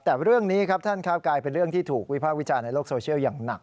แต่เรื่องนี้ครับท่านครับกลายเป็นเรื่องที่ถูกวิภาควิจารณ์ในโลกโซเชียลอย่างหนัก